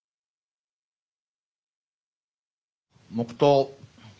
黙とう。